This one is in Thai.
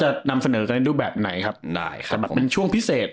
จะนำเสนอกันในรูปแบบไหนครับได้ครับแต่มันเป็นช่วงพิเศษ